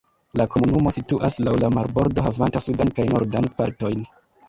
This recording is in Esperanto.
La komunumo situas laŭ la marbordo havanta sudan kaj nordan partojn.